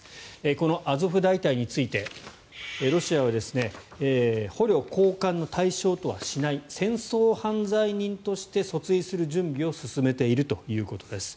このアゾフ大隊についてロシアは捕虜交換の対象とはしない戦争犯罪人として訴追する準備を進めているということです。